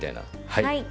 はい。